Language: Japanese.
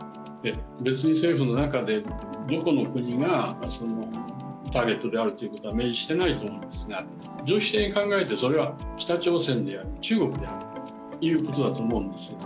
別に政府の中で、どこの国がそのターゲットであるということは明示してないと思いますが、常識的に考えてそれは北朝鮮であり、中国でありっていうことだと思うんです。